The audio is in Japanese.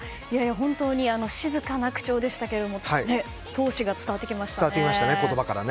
本当に静かな口調でしたけども闘志が伝わってきましたね。